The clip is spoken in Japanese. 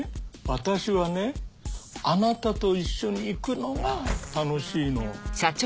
私はねあなたと一緒に行くのが楽しいの。